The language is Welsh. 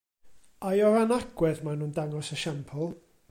Ai o ran agwedd maen nhw'n dangos esiampl?